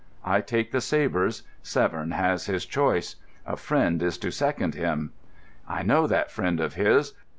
I take the sabres. Severn has his choice. A friend is to second him." "I know that friend of his.